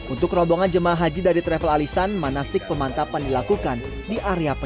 untuk rombongan jemaah haji dari travel alisan manasik pemantapan dilakukan di area pesisi